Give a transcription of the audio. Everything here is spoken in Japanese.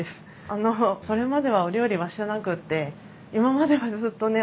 あのそれまではお料理はしてなくって今まではずっとね